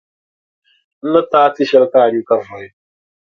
N ni ti a tiʼshɛli ka a nyu, ka vuhi.